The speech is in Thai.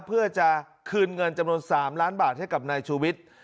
เพื่อจะคืนเงินจำนวน๓ล้านบาทให้กับนายชูวิทย์